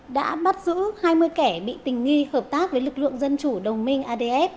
đã bắt giữ hai mươi kẻ bị tình nghi hợp tác với lực lượng dân chủ đồng minh adf